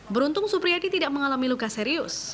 beruntung supriyadi tidak mengalami luka serius